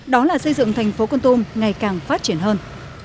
đó là xây dựng thành phố con tum ngày càng phát triển hơn